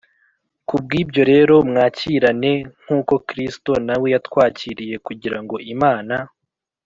Ku bw ibyo rero mwakirane p nk uko Kristo na we yatwakiriye r kugira ngo Imana